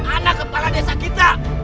anak kepala desa kita